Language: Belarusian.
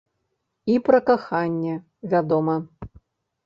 І пра каханне, вядома.